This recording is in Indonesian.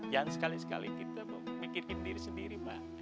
jangan sekali sekali kita mikirin diri sendiri mak